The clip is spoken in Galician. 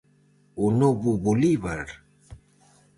O novo Bolívar?